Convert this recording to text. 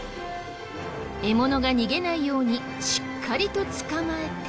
獲物が逃げないようにしっかりと捕まえて。